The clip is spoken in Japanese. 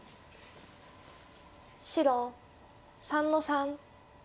白３の三。